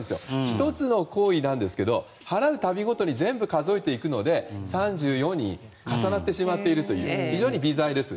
１つの行為ですが払うたびごとに全部数えるので３４に重なってしまっているという非常に微罪です。